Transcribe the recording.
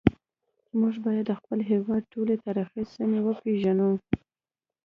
موږ باید د خپل هیواد ټولې تاریخي سیمې وپیژنو